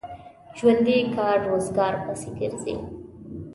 ژوندي کار روزګار پسې ګرځي